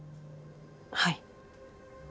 はい。